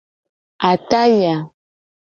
Ataya.